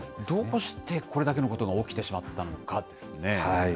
どうしてこれだけのことが起きてしまったのかですね。